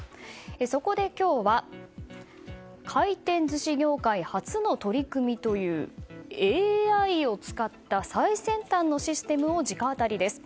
そこで今日は回転寿司業界初の取り組みというＡＩを使った最先端のシステムを直アタリです。